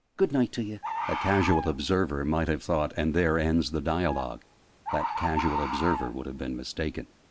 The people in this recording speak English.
Good night t'ye!" A casual observer might have thought "and there ends the dialogue!" That casual observer would have been mistaken.